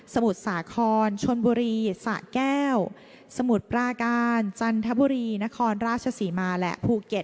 มุทรสาครชนบุรีสะแก้วสมุทรปราการจันทบุรีนครราชศรีมาและภูเก็ต